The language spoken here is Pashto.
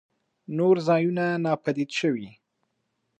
نورو ځايونو ناپديد شوي.